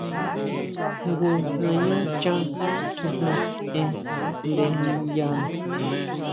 Jngu nañá chán kjijna kʼien nde niʼyana.